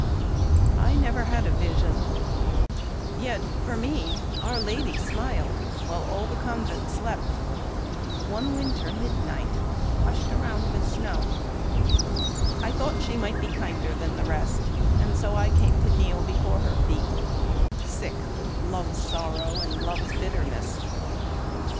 I never had a vision, yet for me Our Lady smiled while all the convent slept One winter midnight hushed around with snow I thought she might be kinder than the rest, And so I came to kneel before her feet, Sick with love's sorrow and love's bitterness.